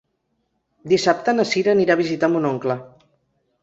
Dissabte na Sira anirà a visitar mon oncle.